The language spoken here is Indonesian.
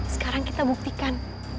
sekarang kita buktikan